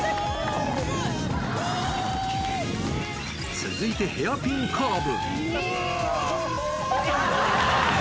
続いてヘアピンカーブ。